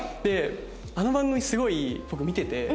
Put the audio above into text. あの番組すごい僕見てて。